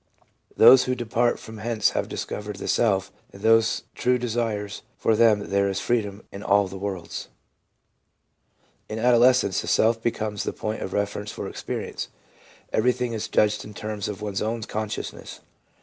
... Those who depart from hence having discovered the self and those true desires, for them there is freedom in all the worlds/ In adolescence the self becomes the point of reference for experience ; everything is judged in terms of one's own conscious ness.